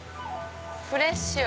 フレッシュ！